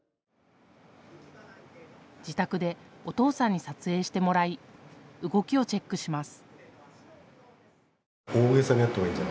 自宅でお父さんに撮影してもらい動きをチェックします。